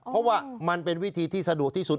เพราะว่ามันเป็นวิธีที่สะดวกที่สุด